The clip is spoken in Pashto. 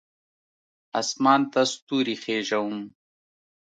اسمان ته ستوري خیژوم